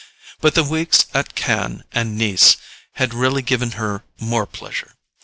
But the weeks at Cannes and Nice had really given her more pleasure.